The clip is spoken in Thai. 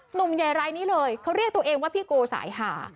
หนุ่มใหญ่รายนี้เลยเขาเรียกตัวเองว่าพี่โกสายหา